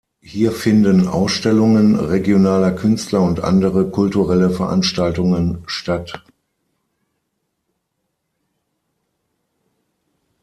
Hier finden Ausstellungen regionaler Künstler und andere kulturelle Veranstaltungen statt.